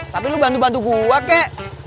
tapi lo bantu bantu gua kek